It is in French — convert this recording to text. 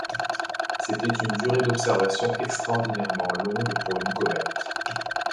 C'était une durée d'observation extraordinairement longue pour une comète.